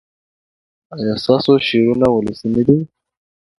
ایا ستاسو شعرونه ولسي نه دي؟